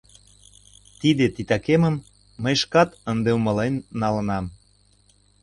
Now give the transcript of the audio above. Тиде титакемым мый шкат ынде умылен налынам.